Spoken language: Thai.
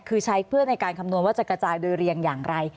คือใช้เพื่อในการคำนวณว่าจะกระจายโดยเรียงอย่างไร